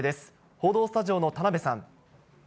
報道スタジオの田辺さん。